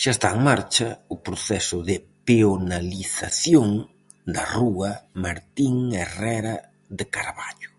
Xa está en marcha o proceso de peonalización da rúa Martín Herrera de Carballo.